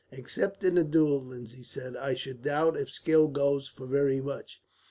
"Except in a duel," Lindsay said, "I should doubt if skill goes for very much.